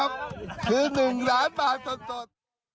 นี่ครับคือหนึ่งล้านบาทสด